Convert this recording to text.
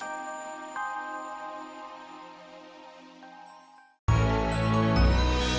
terima kasih udah nonton